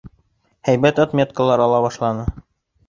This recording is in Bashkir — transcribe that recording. Һәйбәт отметкалар ала башланы.